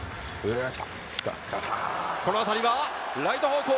この当たりはライト方向。